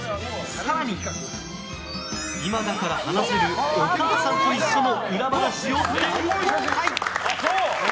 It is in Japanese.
更に、今だから話せる「おかあさんといっしょ」の裏話を大公開。